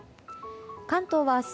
関東は明日